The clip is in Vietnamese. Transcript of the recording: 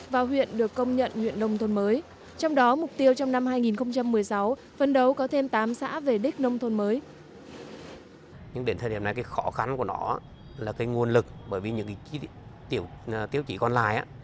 vào huyện được công nhận huyện nông thôn mới